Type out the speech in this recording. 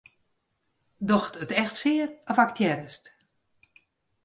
Docht it echt sear of aktearrest?